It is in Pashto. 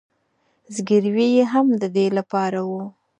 زګیروي یې هم د دې له پاره و.